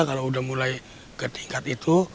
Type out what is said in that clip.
kalau udah mulai ke tingkat itu